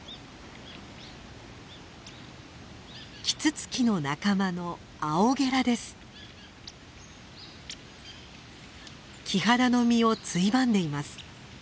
キツツキの仲間のキハダの実をついばんでいます。